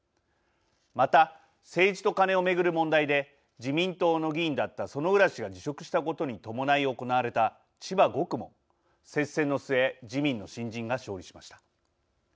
また、政治とカネを巡る問題で自民党の議員だった薗浦氏が辞職したことに伴い行われた千葉５区も接戦の末自民の新人が勝利しました。